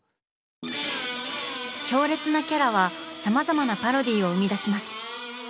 強烈なキャラはさまざまなパロディーを生み出します。